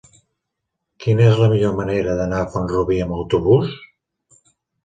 Quina és la millor manera d'anar a Font-rubí amb autobús?